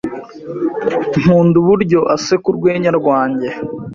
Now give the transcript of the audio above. Nkunda uburyo aseka urwenya rwanjye.